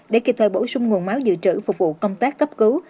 để kịp thời bổ sung nguồn máu dự trữ phục vụ công tác cấp cứu